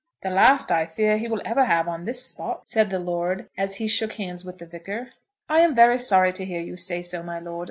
"The last, I fear, he will ever have on this spot," said the lord, as he shook hands with the Vicar. "I am very sorry to hear you say so, my lord.